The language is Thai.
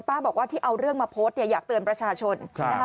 ป้าบอกว่าที่เอาเรื่องมาโพสต์อยากเตือนประชาชน